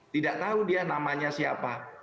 tidak tahu dia namanya siapa